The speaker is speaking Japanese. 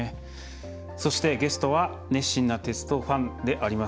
そして、ゲストは熱心な鉄道ファンであります